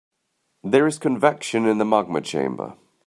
There is convection in the magma chamber.